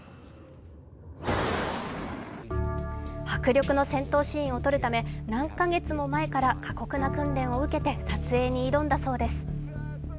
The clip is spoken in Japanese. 迫力の戦闘シーンを撮るため何カ月も前から過酷な訓練を受けて撮影に挑んだそうです。